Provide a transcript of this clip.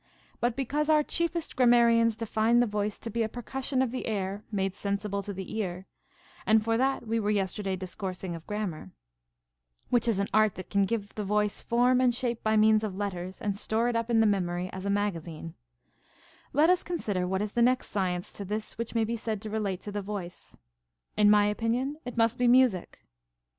But because our chiefest grammarians define the voice to be a percussion of the air made sensible to the ear, and for that we were yesterday discoursing of Grammar, — which is an art that can give the voice form and shape by means of letters, and store it up in the memory as a magazine, — let us consider what is the next science to this which may be said to relate to the voice. In my opinion, it must be music.